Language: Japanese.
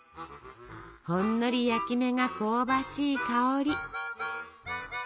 ほんのり焼き目が香ばしい香り。